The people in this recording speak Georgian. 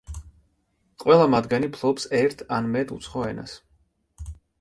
ყველა მათგანი ფლობს ერთ ან მეტ უცხო ენას.